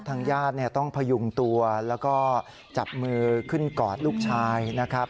ทางญาติต้องพยุงตัวแล้วก็จับมือขึ้นกอดลูกชายนะครับ